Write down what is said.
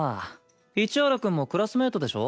市原くんもクラスメートでしょ？